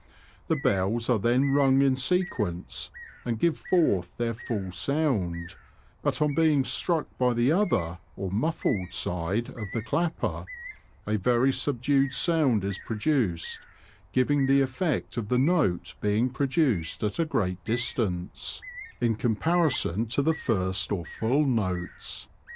The bells are then rung in sequence, and give forth their full sound ; but on being struck by the other, or muffled, side of the clapper, a very subdued sound is produced, giving the effect of the note being produced at a great distance, in comparison to the first or full notes.